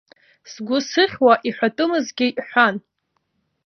Сгәы сыхьуа иҳәатәымызгьы ҳәан.